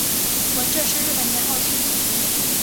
文正是日本年号之一。